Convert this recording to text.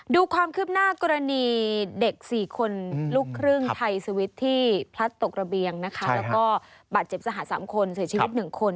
ดูความคืบหน้ากรณีเด็ก๔คนลูกครึ่งไทยสวิตช์ที่พลัดตกระเบียงนะคะแล้วก็บาดเจ็บสหัส๓คนเสียชีวิต๑คน